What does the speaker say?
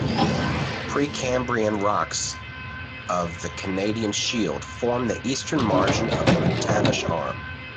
Precambrian rocks of the Canadian Shield form the eastern margin of the McTavish Arm.